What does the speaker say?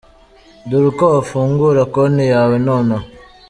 Dore uko wafungura Konti yawe nonaha.